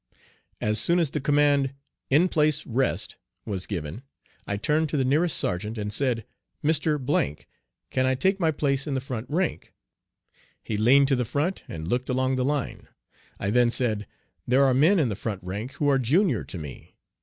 As soon as the command " In place, rest," was given, I turned to the nearest sergeant and said, "Mr. , can I take my place in the front rank?" He leaned to the front and looked along the line. I then said, "There are men in the front rank who are junior to me."